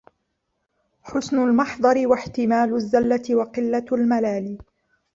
حُسْنُ الْمَحْضَرِ وَاحْتِمَالُ الزَّلَّةِ وَقِلَّةُ الْمَلَالِ